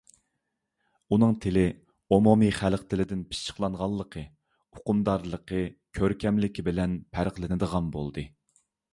ئۇنىڭ تىلى ئومۇمىي خەلق تىلىدىن پىششىقلانغانلىقى، ئۇقۇمدارلىقى، كۆركەملىكى بىلەن پەرقلىنىدىغان بولدى.